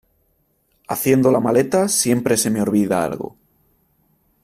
Haciendo la maleta, siempre se me olvida algo.